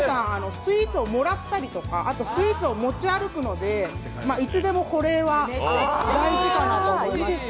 スイーツをもらったり、スイーツを持ち歩くのでいつでも保冷は大事かなと思いまして。